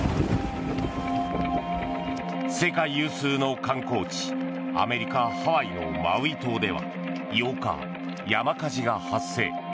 世界有数の観光地アメリカ・ハワイのマウイ島では８日、山火事が発生。